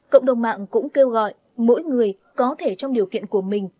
cộng đồng mạng cũng kêu gọi mỗi người có thể trong điều kiện của mình